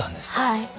はい。